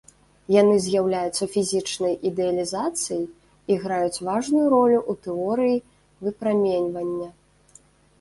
Яны з'яўляюцца фізічнай ідэалізацыяй і граюць важную ролю ў тэорыі выпраменьвання.